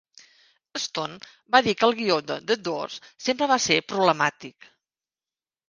Stone va dir que el guió de "The Doors" sempre va ser problemàtic.